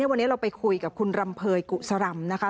วันนี้เราไปคุยกับคุณรำเภยกุศรำนะคะ